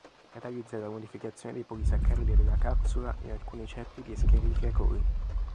Catalizza la modificazione dei polisaccaridi della capsula in alcuni ceppi di "Escherichia coli".